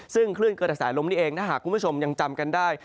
ซึ่งคลื่นกระแสลมนี้เองถ้าหากคุณผู้ชมยังจำกันได้